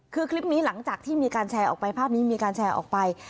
คือคลิปนี้หลังจากที่มีการแชร์ออกไปภาพนี้มีการแชร์ออกไป